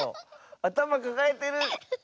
あたまかかえてる！